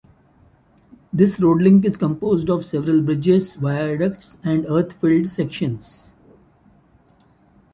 This roadlink is composed of several bridges, viaducts and earth-filled sections.